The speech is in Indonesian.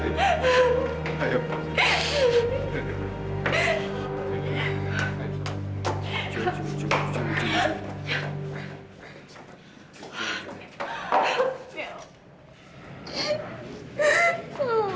cukup cukup cukup